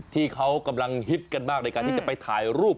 ที่เขากำลังฮิตกันมากในการที่จะไปถ่ายรูป